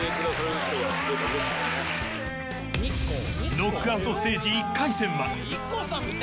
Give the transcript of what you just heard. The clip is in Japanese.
ノックアウトステージ１回戦は。